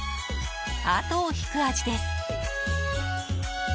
後を引く味です。